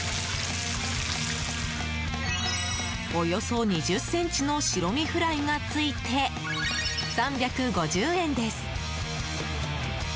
およそ２０ｃｍの白身フライがついて３５０円です。